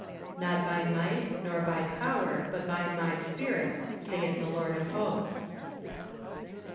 " Not by might , nor by power , but by my spirit , saith the Lord of Hosts."